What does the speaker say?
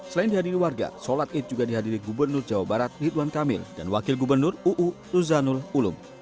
selain dihadiri warga sholat id juga dihadiri gubernur jawa barat ridwan kamil dan wakil gubernur uu ruzanul ulum